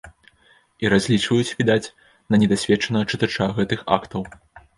І разлічваюць, відаць, на недасведчанага чытача гэтых актаў.